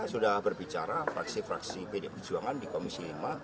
sudah berbicara fraksi fraksi pd perjuangan di komisi lima